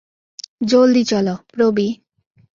জলদি চলো, প্রোবি।